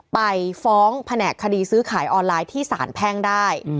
ไปฟ้องแผนกคดีซื้อขายออนไลน์ที่สารแพ่งได้